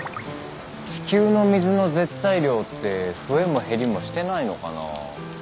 地球の水の絶対量って増えも減りもしてないのかなぁ。